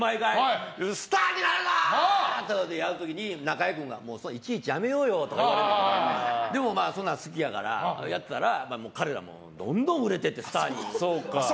スターになるぞ！ってやる時に中居君がいちいちやめようよって言われるんやけど俺、好きやからやってたら彼らもどんどん売れてってスターに。